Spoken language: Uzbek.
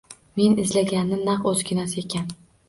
Men izlaganni naq o'zginasi ekan.